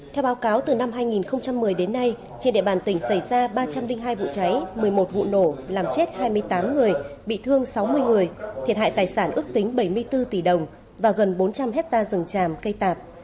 theo báo cáo từ năm hai nghìn một mươi đến nay trên địa bàn tỉnh xảy ra ba trăm linh hai vụ cháy một mươi một vụ nổ làm chết hai mươi tám người bị thương sáu mươi người thiệt hại tài sản ước tính bảy mươi bốn tỷ đồng và gần bốn trăm linh hectare rừng tràm cây tạp